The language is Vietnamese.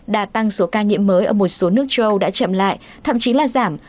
đã tăng số ca nhiễm mới ở một số nước châu âu đã chậm lại thậm chí là giảm